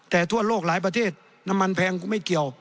แต่ทั่วโลกหลายประเทศน้ำมันแพงกูไม่เกี่ยว